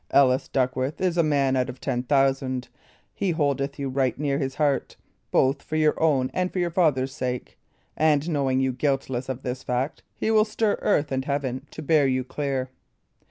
"Ellis Duckworth is a man out of ten thousand; he holdeth you right near his heart, both for your own and for your father's sake; and knowing you guiltless of this fact, he will stir earth and heaven to bear you clear."